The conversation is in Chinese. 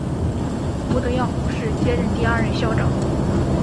吴德耀博士接任第二任校长。